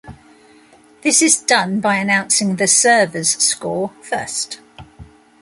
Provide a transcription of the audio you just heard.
This is done by announcing the server's score first.